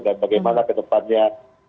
dan bagaimana kedepannya